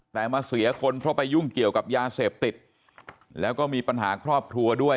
แต่มาเสียคนเพราะไปยุ่งเกี่ยวกับยาเสพติดแล้วก็มีปัญหาครอบครัวด้วย